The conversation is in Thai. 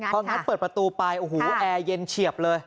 พองัดเปิดประตูไปโอ้โหแอร์เย็นเฉียบเลย